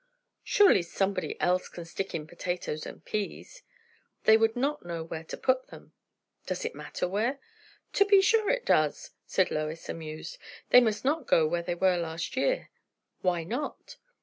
"Surely somebody else can stick in potatoes and peas." "They would not know where to put them." "Does it matter where?" "To be sure it does!" said Lois, amused. "They must not go where they were last year." "Why not?"